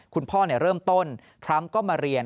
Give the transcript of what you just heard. คุณพ่อเริ่มต้นทรัมป์ก็มาเรียน